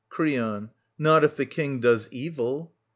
Creon. Not if the King Does evil.